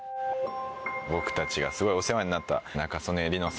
僕たちがすごいお世話になった。